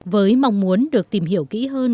với mong muốn được tìm hiểu kỹ hơn